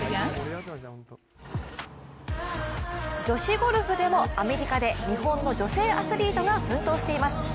女子ゴルフでもアメリカで日本の女性アスリートが奮闘しています。